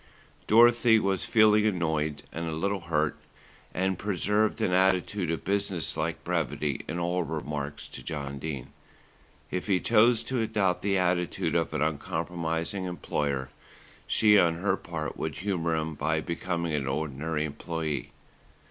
Dorothy was feeling annoyed and a little hurt; and preserved an attitude of businesslike brevity in all her remarks to John Dene. If he chose to adopt the attitude of the uncompromising employer, she on her part would humour him by becoming an ordinary employee.